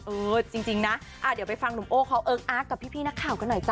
เออจริงนะอ่ะเดี๋ยวไปฟังโหน่มโอเค้าอัคอาร์กกับพี่นักข่าวกันหน่อยจ๊ะ